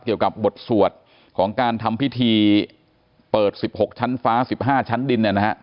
เกี่ยวกับบทสวดของการทำพิธีเปิด๑๖ชั้นฟ้า๑๕ชั้นดินเนี่ยนะฮะ